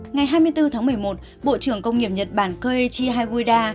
ngày hai mươi bốn tháng một mươi một bộ trưởng công nghiệp nhật bản keiichi haiguda